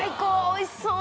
おいしそう。